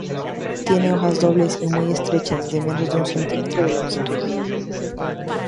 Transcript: Tiene hojas dobles y muy estrechas de menos de un centímetro de longitud.